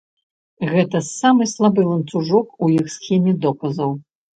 Гэта самы слабы ланцужок у іх схеме доказаў.